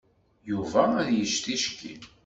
Yuba ad yečč ticki.